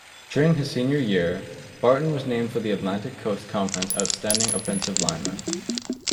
During his senior year Barton was named the Atlantic Coast Conference Outstanding Offensive Lineman.